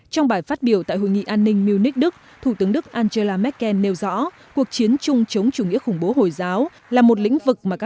trong bài phát biểu tại hội nghị an ninh munich đức thủ tướng đức angela merkel nêu rõ cuộc chiến chung chống chủ nghĩa khủng bố hồi giáo là một lĩnh vực mà các đồng minh đã tìm ra